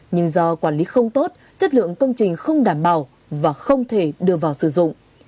nhưng do quản lý không tốt chất lượng công trình không đảm bảo và không thể đưa vào sử dụng